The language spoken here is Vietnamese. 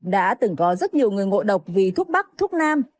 đã từng có rất nhiều người ngộ độc vì thuốc bắc thuốc nam